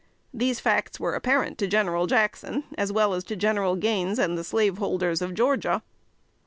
These facts were apparent to General Jackson, as well as to General Gaines and the slaveholders of Georgia.